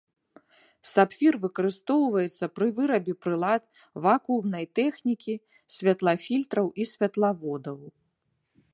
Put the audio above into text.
Сапфір выкарыстоўваецца пры вырабе прылад вакуумнай тэхнікі, святлафільтраў і святлаводаў.